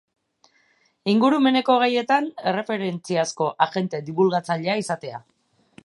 Ingurumeneko gaietan erreferentziazko agente dibulgatzailea izatea.